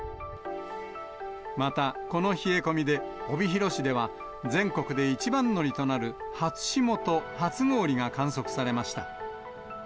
また、この冷え込みで、帯広市では全国で一番乗りとなる初霜と初氷が観測されました。